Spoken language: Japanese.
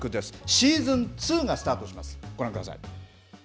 シーズン２がスタートします、ご覧ください。